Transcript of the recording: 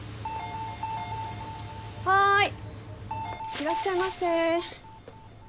いらっしゃいませ。